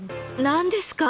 何ですか？